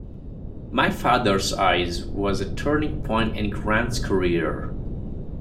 "My Father's Eyes" was a turning point in Grant's career.